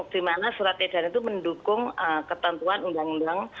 di mana surat edaran itu mendukung ketentuan undang undang